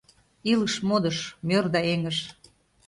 Илыш-модыш — мӧр да эҥыж